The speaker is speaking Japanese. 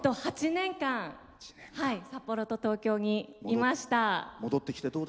８年間、札幌と東京にいました。